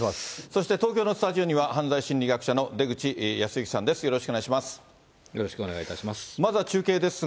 そして、東京のスタジオには、犯罪心理学者の出口保行さんです。